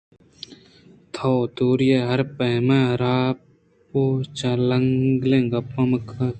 تو تُری ہرپیمیں چرپ ءُ چانگالیں گپّ بہ کن